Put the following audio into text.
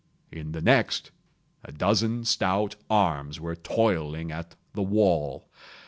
In the next, a dozen stout arms were toiling at the wall.